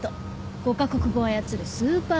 ５カ国語を操るスーパーエリート。